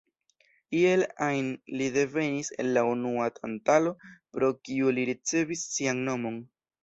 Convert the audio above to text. Iel ajn, li devenis el la unua Tantalo, pro kiu li ricevis sian nomon.